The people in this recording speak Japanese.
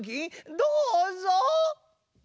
どうぞ。